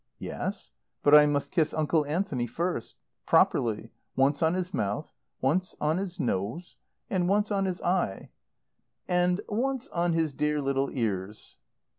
"Yes. But I must kiss Uncle Anthony first. Properly. Once on his mouth. Once on his nose. And once on his eyes. And once on his dear little ears."